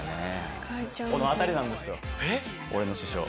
この辺りなんですよ俺の師匠。